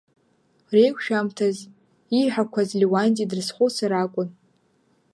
Реиқәшәамҭаз ииҳәақәаз Леуанти дрызхәыцыр акәын.